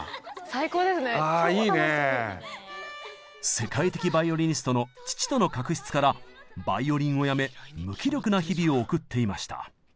世界的バイオリニストの父との確執からバイオリンをやめ無気力な日々を送っていました。